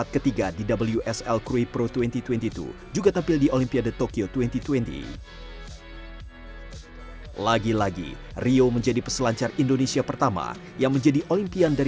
ketika saya menemukan pakaian saya akan berpikir